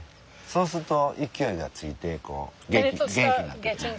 そうすると勢いがついて元気になってくる。